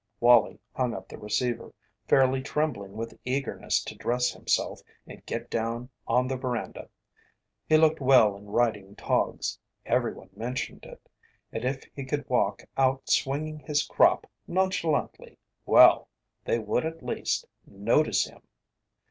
Wallie hung up the receiver, fairly trembling with eagerness to dress himself and get down on the veranda. He looked well in riding togs everyone mentioned it and if he could walk out swinging his crop nonchalantly, well, they would at least notice him!